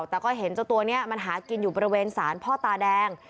แต่ก็เห็นเจ้าตัวนี้มันหากินอยู่บริเวณศาลพ่อตาแดง